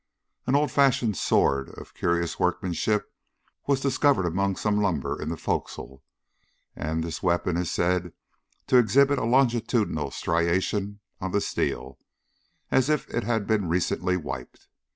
An old fashioned sword of curious workmanship was discovered among some lumber in the forecastle, and this weapon is said to exhibit a longitudinal striation on the steel, as if it had been recently wiped.